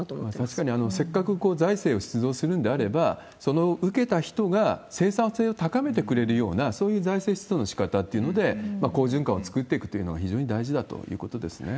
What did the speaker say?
確かに、せっかく財政を出動するんであれば、その受けた人が生産性を高めてくれるような、そういう財政出動のしかたっていうので好循環を作っていくというのが非常に大事だということですね。